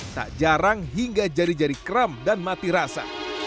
tak jarang hingga jari jari kram dan mati rasa